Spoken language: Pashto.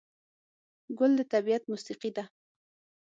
ګل د طبیعت موسیقي ده.